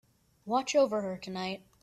Watch over her tonight.